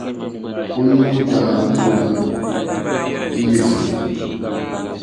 N nuhi daa puɣila mɛɛr zim.